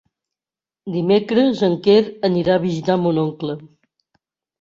Dimecres en Quer anirà a visitar mon oncle.